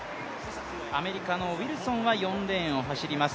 アメリカのウィルソンは４レーンを走ります